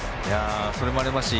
それもありますし